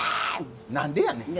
何でやねん。